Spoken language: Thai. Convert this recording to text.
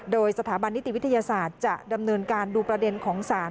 โดยสถาบันนิติวิทยาศาสตร์จะดำเนินการดูประเด็นของศาล